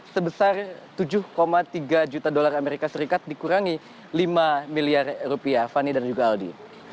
sebesar tujuh tiga juta dolar amerika serikat dikurangi lima miliar rupiah fani dan juga aldi